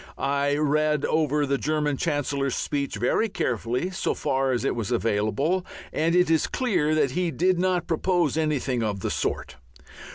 I read over the German Chancellor's speech very carefully, so far as it was available, and it is clear that he did not propose anything of the sort.